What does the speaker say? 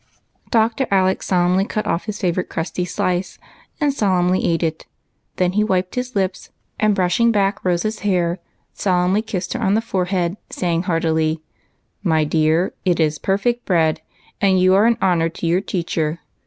Dr. Alec solemnly cut off his favorite crusty slice, and solemnly ate it ; then wiped his lips, and brush ing back Rose's hair, solemnly kissed her on the fore head, saying heartily, —" My dear, it is perfect bread, and you are an honor to your teacher.